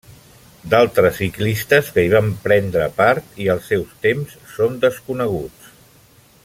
D'altres ciclistes que hi van prendre part, i els seus temps, són desconeguts.